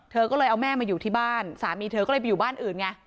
เธอก็เลยเอาแม่มาอยู่ที่บ้านสามีเธอก็เลยไปอยู่บ้านอื่นไง